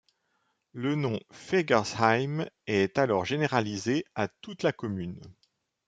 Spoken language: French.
Le nom Fegersheim est alors généralisé à toute la commune.